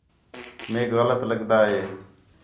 میک غلط لڳدا ہے